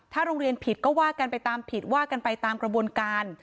โรงเรียนผิดก็ว่ากันไปตามผิดว่ากันไปตามกระบวนการ